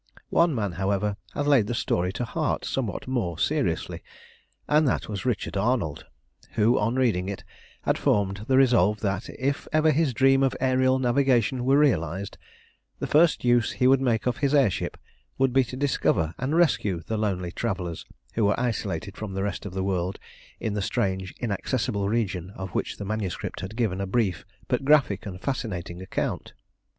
One man, however, had laid the story to heart somewhat more seriously, and that was Richard Arnold, who, on reading it, had formed the resolve that, if ever his dream of aërial navigation were realised, the first use he would make of his air ship would be to discover and rescue the lonely travellers who were isolated from the rest of the world in the strange, inaccessible region of which the manuscript had given a brief but graphic and fascinating account.